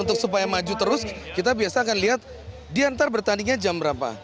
untuk supaya maju terus kita biasanya akan lihat diantar pertandingannya jam berapa